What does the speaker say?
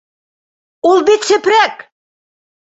Ул бит сепрәк!